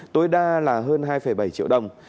tối đa là hơn hai bảy triệu đồng